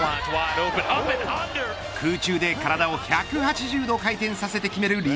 空中で体を１８０度回転させて決める